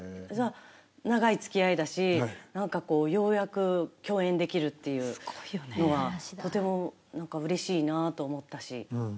長いつきあいだし、なんかこう、ようやく共演できるっていうのは、とてもなんかうれしいなと思ったし。